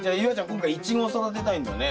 今回イチゴを育てたいんだね。